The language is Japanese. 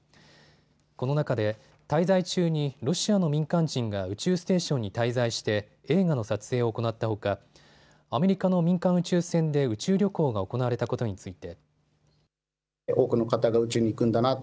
この中で滞在中にロシアの民間人が宇宙ステーションに滞在して映画の撮影を行ったほかアメリカの民間宇宙船で宇宙旅行が行われたことについて。